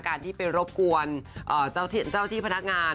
การที่ไปรบกวนเจ้าที่พนักงาน